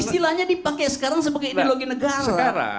istilahnya dipakai sekarang sebagai ideologi negara